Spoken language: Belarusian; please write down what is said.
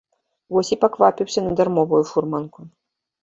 Вось і паквапіўся на дармовую фурманку.